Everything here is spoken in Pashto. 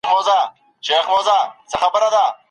پر عالم يا علم باندي لعنت ويل کفر دی